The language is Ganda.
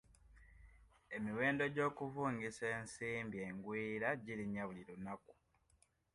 Emiwendo gy'okuvungisa ensimbi engwiira girinnya buli lunaku.